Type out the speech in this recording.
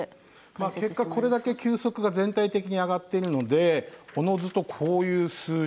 まあ結果これだけ球速が全体的に上がっているのでおのずとこういう数字が出てきます。